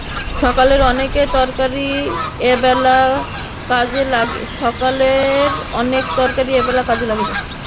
সকালের অনেক তরকারি এ বেলা কাজে লাগিবে।